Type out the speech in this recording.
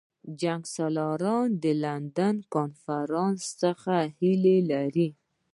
جنګسالاران د لندن کنفرانس څخه هیلې لري.